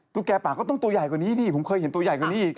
แก่ปากก็ต้องตัวใหญ่กว่านี้สิผมเคยเห็นตัวใหญ่กว่านี้อีก